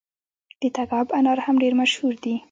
د تګاب انار هم ډیر مشهور دي.